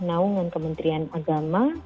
naungan kementerian agama